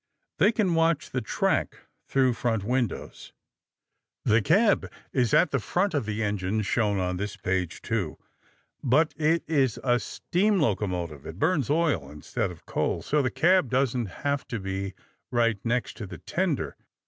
They can watch the track through front windows. The cab is at the front of the engine shown on this page, too, but it is a steam locomotive. It burns oil instead of coal, so the cab doesn't have to be right next to the tender.